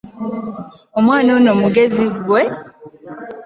Omwana ono mugezi gwe